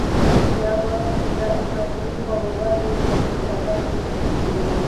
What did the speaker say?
یا به د امپراتورۍ پروړاندې د کودتاګانو هڅې نه کېدلې